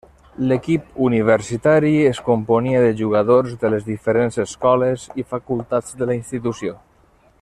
L'equip universitari es componia de jugadors de les diferents escoles i facultats de la Institució.